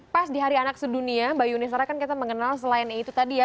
pas di hari anak sedunia mbak yuni sara kan kita mengenal selain itu tadi ya